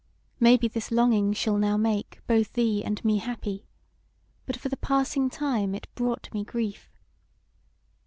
Maybe this longing shall now make both thee and me happy, but for the passing time it brought me grief.